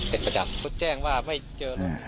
เป็นประจำเขาแจ้งว่าไม่เจอรถ